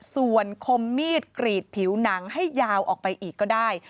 ส่วนคมมีดกรีดผิวหนังให้ยาวออกไปอีกก็ได้